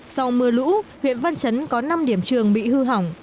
sau mưa lũ huyện văn chấn có năm điểm trường bị hư hỏng